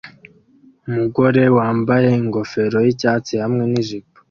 Umugore wambaye ingofero yicyatsi hamwe nijipo